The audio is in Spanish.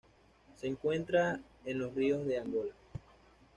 Se encuentra en los ríos de Angola.